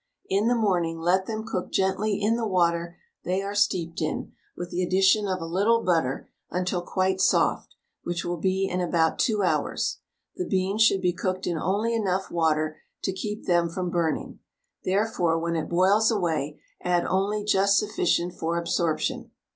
In the morning let them cook gently in the water they are steeped in, with the addition of a little butter, until quite soft, which will be in about 2 hours. The beans should be cooked in only enough water to keep them from burning; therefore, when it boils away, add only just sufficient for absorption.